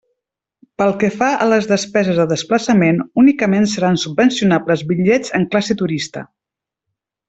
Pel que fa a les despeses de desplaçament, únicament seran subvencionables bitllets en classe turista.